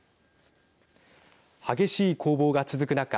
激しい攻防が続く中